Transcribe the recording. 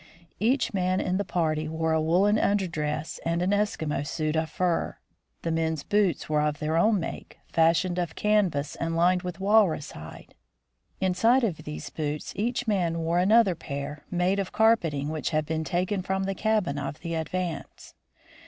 Each man in the party wore a woolen underdress and an Eskimo suit of fur. The men's boots were of their own make, fashioned of canvas and lined with walrus hide. Inside of these boots each man wore another pair, made of carpeting which had been taken from the cabin of the Advance.